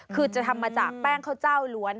คือจะทำมาจากแป้งข้าวเจ้าล้วน